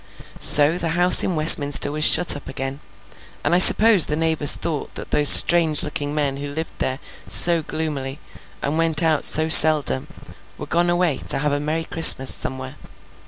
So, the house in Westminster was shut up again, and I suppose the neighbours thought that those strange looking men who lived there so gloomily, and went out so seldom, were gone away to have a merry Christmas somewhere.